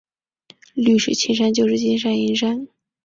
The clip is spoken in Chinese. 绿水青山就是金山银山